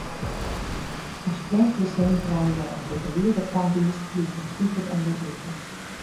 As pleechgesin krije jo in begelieder tawiisd dy't jo stipet en begeliedt.